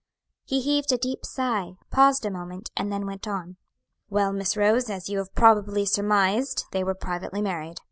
He heaved a deep sigh, paused a moment, and then went on: "Well, Miss Rose, as you have probably surmised, they were privately married.